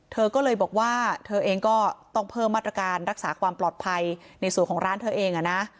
เธอก็เลยบอกว่าเธอเองก็ต้องเพิ่มมาตรการรักษาความปลอดภัยในส่วนของร้านเธอเองนะ